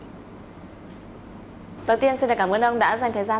đầu tiên xin cảm ơn ông đã dành thời gian